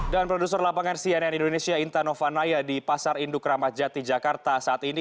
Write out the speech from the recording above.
dan produser lapangan cnn indonesia intan novanaya di pasar induk ramadjati jakarta saat ini